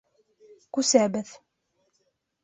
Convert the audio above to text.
Күсәбеҙ.